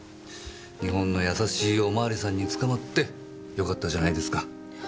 日本の優しいおまわりさんに捕まって良かったじゃないですか。